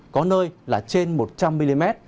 có nơi là trên một trăm linh mm